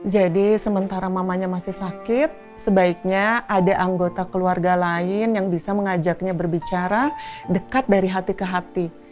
jadi sementara mamanya masih sakit sebaiknya ada anggota keluarga lain yang bisa mengajaknya berbicara dekat dari hati ke hati